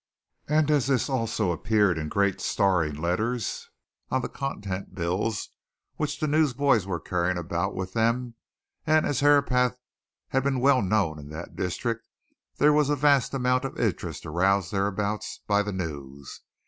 and as this also appeared in great staring letters on the contents bills which the newsboys were carrying about with them, and as Herapath had been well known in that district, there was a vast amount of interest aroused thereabouts by the news.